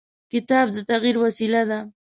کتاب د تغیر وسیله ده.